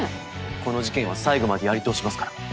この事件は最後までやり通しますから。